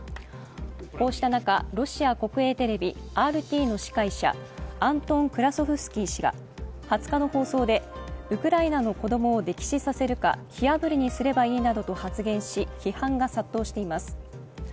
こうした中ロシア国営テレビＲＴの司会者アントン・クラソフスキー氏が２０日の放送でウクライナの子供を溺死させるか火あぶりにすればいいなどと発言し、批判が殺到しています。